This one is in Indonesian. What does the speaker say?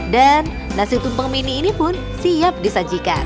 dan nasi tumpeng mini ini pun siap disajikan